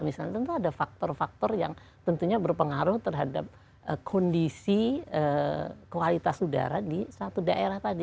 misalnya tentu ada faktor faktor yang tentunya berpengaruh terhadap kondisi kualitas udara di satu daerah tadi